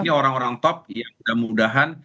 ini orang orang top yang mudah mudahan